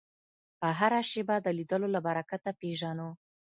هره شېبه د لیدلو له برکته پېژنو